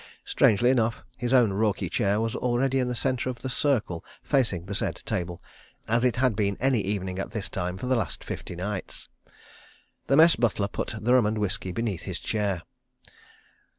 Strangely enough, his own Roorkee chair was already in the centre of the circle facing the said table, as it had been any evening at this time for the last fifty nights. The Mess butler put the rum and whisky beneath his chair.